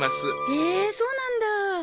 えそうなんだ。